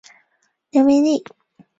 刘明利。